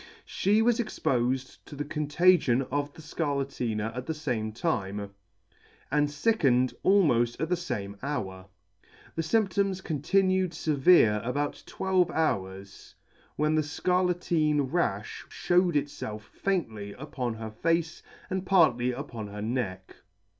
She was expofed to the con tagion of the Scarlatina at the fame time, and fickened almoft at the fame hour. The fymptoms continued fevere about twelve hours, when the Scarlatine ralh fhewed itfelf faintly upon her face, and partly upon her neck.